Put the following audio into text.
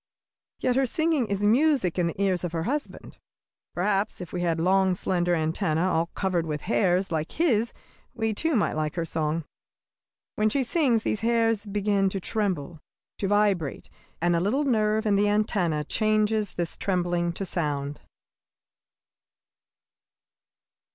Yet her singing is music in the ears of her husband. Perhaps if we had long, slender antennæ, all covered with hairs, like his, we, too, might like her song. When she sings these hairs begin to tremble, to vibrate, and a little nerve in the antennæ changes this trembling to sound.